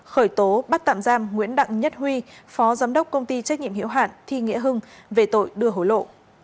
khởi tố bắt tạm giam nguyễn đặng nhất huy phó giám đốc công ty trách nhiệm hiệu hạn thi nghĩa hưng về tội đưa hối lộ